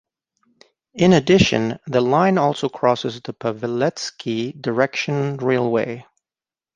In addition the line also crosses the Paveletsky direction railway.